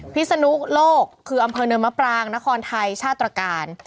พิศนุโลกคืออำเภอเนินมะปรางนครไทยชาตรการ